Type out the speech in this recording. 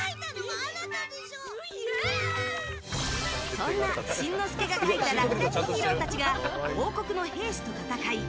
そんなしんのすけが描いたラクガキヒーローたちが王国の兵士と戦い